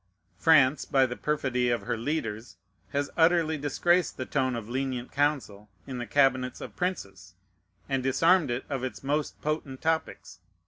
France, by the perfidy of her leaders, has utterly disgraced the tone of lenient council in the cabinets of princes, and disarmed it of its most potent topics.